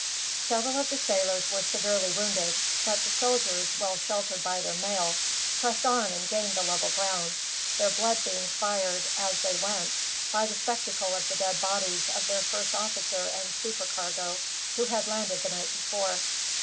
Several of the sailors were severely wounded, but the soldiers, well sheltered by their mail, pressed on and gained the level ground; their blood being fired, as they went, by the spectacle of the dead bodies of their first officer and supercargo, who had landed the night before.